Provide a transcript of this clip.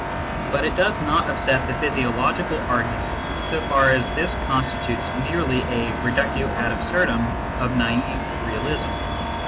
But it does not upset the physiological argu ment in so far as this constitutes merely a reductio ad absurdum of naive realism.